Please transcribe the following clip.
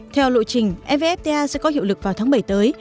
theo lộ trình evfta sẽ có hiệu lực vào tháng bảy tới